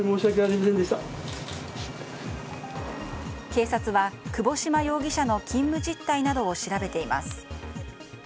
警察は、窪島容疑者の勤務実態などを調べています。